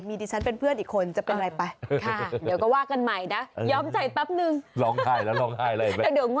มีที่ฉันเป็นเพื่อนอีกคนจะเป็นไรไป